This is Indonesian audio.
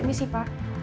ini sih pak